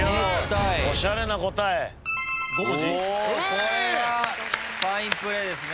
これはファインプレーですね。